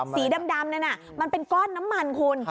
สีดำนั้นมันเป็นก้อนน้ำมันคุณ